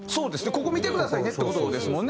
ここ見てくださいねって事ですもんね。